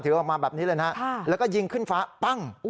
ออกมาแบบนี้เลยนะแล้วก็ยิงขึ้นฟ้าปั้ง